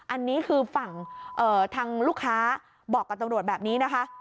อันนี้คือฝั่งทางลูกค้าบอกกับตำรวจแบบนี้นะคะ